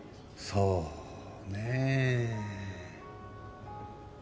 そうねえ